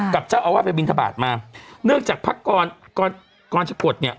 กับเจ้าอาวาสไปบินทบาทมาเนื่องจากพักกรกรชะกดเนี่ย